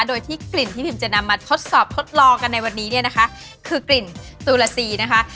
โดยที่กลิ่นที่พิมจะนำมาทดสอบทดลองกันในวันนี้เนี่ยนะคะคือกลิ่นตูลาซีนะคะ